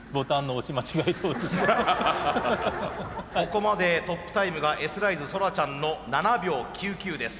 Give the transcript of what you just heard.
ここまでトップタイムがＳライズソラちゃんの７秒９９です。